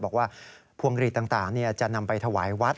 บอกว่าพวงหลีดต่างจะนำไปถวายวัด